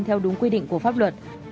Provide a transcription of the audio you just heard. theo đúng quy định của pháp luật